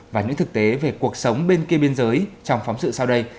và những thực tế về cuộc sống bên kia biên giới trong phóng sự sau đây